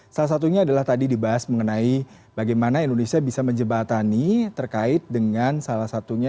salah satunya adalah tadi dibahas mengenai bagaimana indonesia bisa menjebatani terkait dengan salah satunya